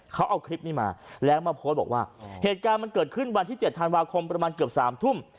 เขาเอาคลิปนี้มาแล้วมาโพสต์บอกว่าเหตุการณ์มันเกิดขึ้นวันที่๗ธันวาคมประมาณเกือบ๓ทุ่ม